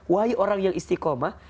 wahai orang yang istiqomah